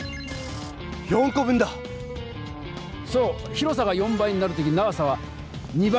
広さが４倍になる時長さは２倍になる。